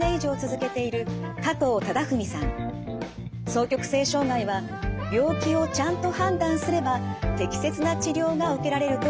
双極性障害は病気をちゃんと判断すれば適切な治療が受けられるといいます。